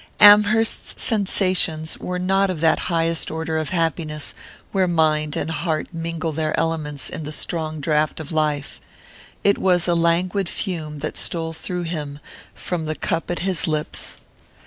Amherst's sensations were not of that highest order of happiness where mind and heart mingle their elements in the strong draught of life: it was a languid fume that stole through him from the cup at his lips.